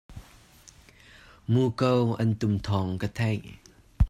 Muko an tum thawng ka theih.